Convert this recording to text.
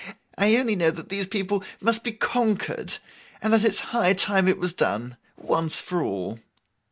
I only know that these people must be conquered, and that it's high time it was done, once for all.